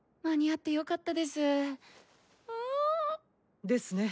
間に合ってよかったです。